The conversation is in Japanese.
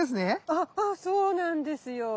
ああああそうなんですよ。